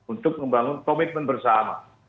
untuk membangun komitmen bersama